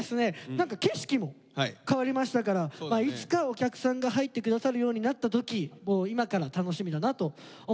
何か景色も変わりましたからいつかお客さんが入って下さるようになった時今から楽しみだなと思います。